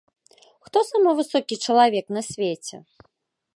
Хто самы высокі чалавек на свеце?